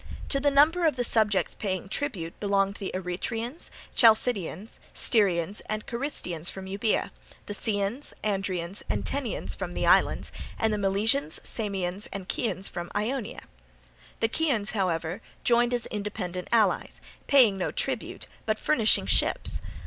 To the number of the subjects paying tribute belonged the Eretrians, Chalcidians, Styrians, and Carystians from Euboea; the Ceans, Andrians, and Tenians from the islands; and the Milesians, Samians, and Chians from Ionia. The Chians, however, joined as independent allies, paying no tribute, but furnishing ships.